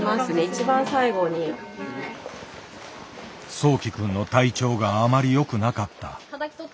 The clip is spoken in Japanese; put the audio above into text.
そうき君の体調があまりよくなかった。